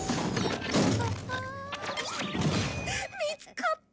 見つかった。